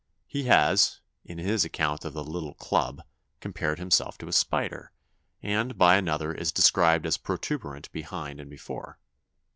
He has, in his account of the Little Club, compared himself to a spider, and, by another, is described as protuberant behind and before.